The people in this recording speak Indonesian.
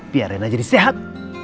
biar rena jadi sehat